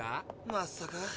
まさか。